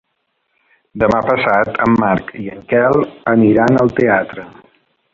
Demà passat en Marc i en Quel aniran al teatre.